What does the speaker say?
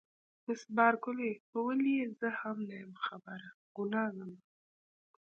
مس بارکلي: په ولې یې زه هم نه یم خبره، ګناه زما وه.